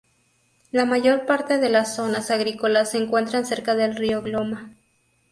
La mayor parte de las zonas agrícolas se encuentran cerca del río Glomma.